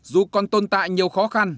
dù còn tồn tại nhiều khó khăn